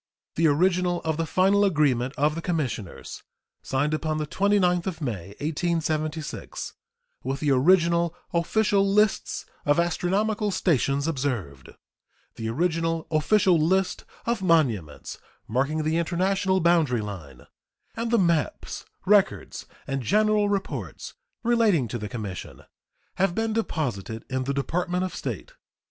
The original of the final agreement of the commissioners, signed upon the 29th of May, 1876, with the original official "lists of astronomical stations observed," the original official "list of monuments marking the international boundary line," and the maps, records, and general reports relating to the commission, have been deposited in the Department of State.